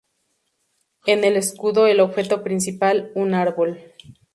En el escudo el objeto principal un árbol.